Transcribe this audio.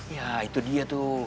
ya itu dia tuh